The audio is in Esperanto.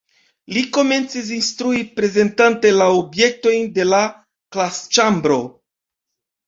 Li komencis instrui prezentante la objektojn de la klasĉambro.